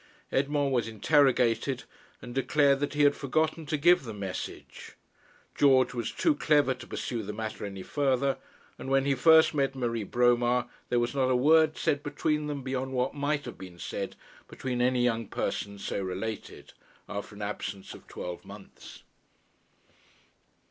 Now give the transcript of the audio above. Edmond was interrogated, and declared that he had forgotten to give the message. George was too clever to pursue the matter any farther, and when he first met Marie Bromar, there was not a word said between them beyond what might have been said between any young persons so related, after an absence of twelve months.